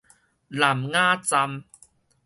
南雅站